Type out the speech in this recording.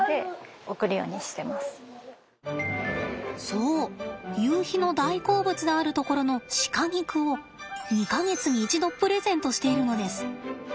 そうゆうひの大好物であるところの鹿肉を２か月に一度プレゼントしているのです。